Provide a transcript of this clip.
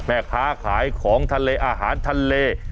แม่ค้าขายของทะเลอาหารทะเล